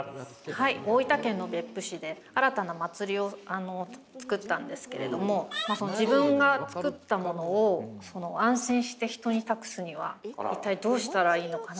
はい、大分県の別府市で新たな祭りを作ったんですけども自分が作ったものを安心して人に託すには一体どうしたらいいのかな。